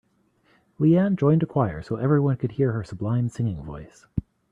Leanne joined a choir so everyone could hear her sublime singing voice.